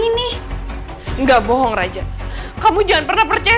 kamu jangan pernah percaya sama satu bri sampai saja